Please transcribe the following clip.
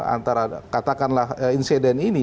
antara katakanlah insiden ini